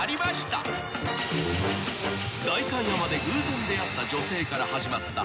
［代官山で偶然出会った女性から始まった］